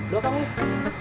lo kang yuk